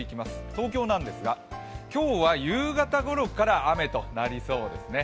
東京なんですが今日は夕方頃から雨になりそうですね。